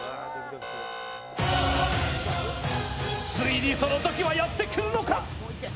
ついにその時はやってくるのか。